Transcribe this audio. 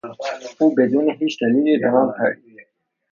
او بدون هیچ دلیلی به من پرید.